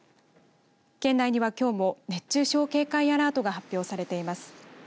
県内にはきょうも熱中症警戒アラートが発表されています。